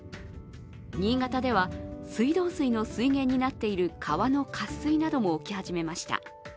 新潟では水道水の水源になっている川の渇水なども起き始めました。